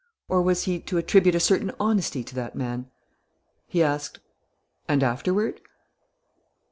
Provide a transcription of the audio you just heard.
Or was he to attribute a certain honesty to that man? He asked: "And afterward?"